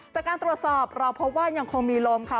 จากการตรวจสอบเราพบว่ายังคงมีลมค่ะ